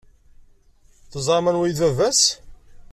Teẓram anwa i d baba-s?